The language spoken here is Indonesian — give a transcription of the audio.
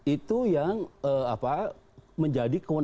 itu yang menjadi kewenangan